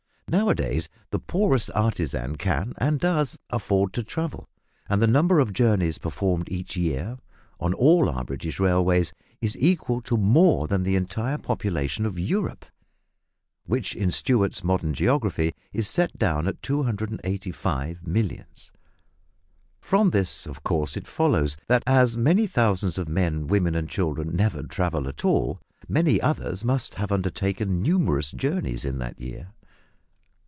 Now a days the poorest artisan can, and does, afford to travel, and the number of journeys performed each year on all our British railways is equal to more than the entire population of Europe! which, in Stewart's "Modern Geography," is set down at 285 millions. From this of course it follows, that as many thousands of men, women, and children never travel at all, many others must have undertaken numerous journeys in that year.